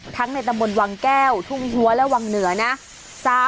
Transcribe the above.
ในตำบลวังแก้วทุ่งหัวและวังเหนือนะ